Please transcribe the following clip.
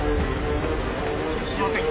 すいません